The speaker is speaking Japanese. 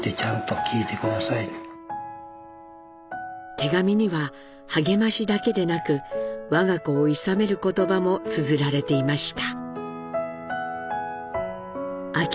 手紙には励ましだけでなく我が子をいさめる言葉もつづられていました。